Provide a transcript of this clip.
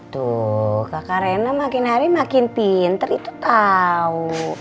tuh kakak rena makin hari makin pinter itu tahu